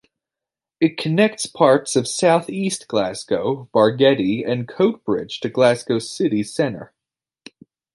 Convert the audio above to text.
It connects parts of south east Glasgow, Bargeddie and Coatbridge to Glasgow city centre.